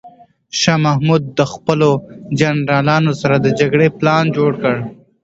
شاه محمود د خپلو جنرالانو سره د جګړې پلان جوړ کړ.